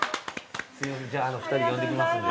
じゃあ２人呼んできますんで。